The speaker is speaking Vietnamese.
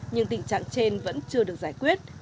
nhưng tình trạng trên vẫn chưa được giải quyết